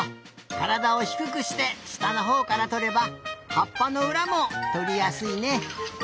からだをひくくしてしたのほうからとればはっぱのうらもとりやすいね。